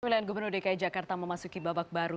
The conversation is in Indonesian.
pemilihan gubernur dki jakarta memasuki babak baru